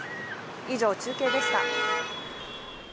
以上、中継でした。